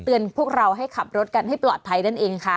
พวกเราให้ขับรถกันให้ปลอดภัยนั่นเองค่ะ